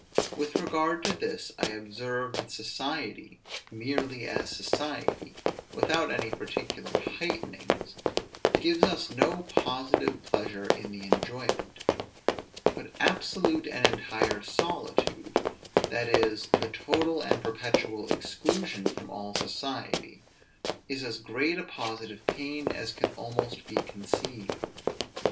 With regard to this, I observe, that society, merely as society, without any particular heightenings, gives us no positive pleasure in the enjoyment; but absolute and entire solitude, that is, the total and perpetual exclusion from all society, is as great a positive pain as can almost be conceived.